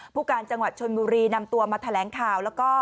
ผู้การจังหวัดชนมือรีนำตัวมาแถลงข่าว